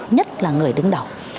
nhất là người đứng đầu